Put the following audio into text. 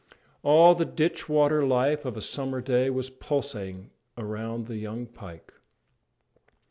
All the ditch water life of a summer day was pulsating around the young pike.